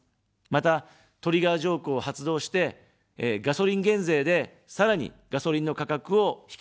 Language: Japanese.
また、トリガー条項を発動して、ガソリン減税で、さらに、ガソリンの価格を引き下げます。